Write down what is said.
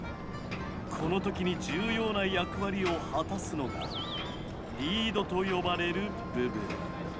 この時に重要な役割を果たすのがリードと呼ばれる部分。